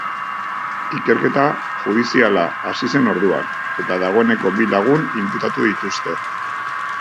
Ikerketa judiziala hasi zen orduan, eta dagoeneko bi lagun inputatu dituzte.